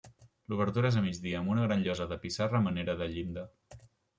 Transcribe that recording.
L'obertura és a migdia, amb una gran llosa de pissarra a manera de llinda.